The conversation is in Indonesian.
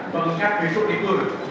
mengingat besok ibur